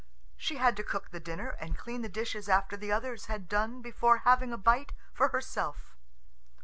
She had to cook the dinner, and clean the dishes after the others had done before having a bite for herself.